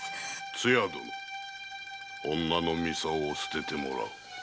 つや殿女の操を捨ててもらう。